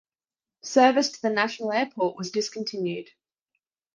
Service to National Airport was discontinued.